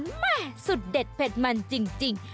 แม่สุดเด็ดเผ็ดมันจริง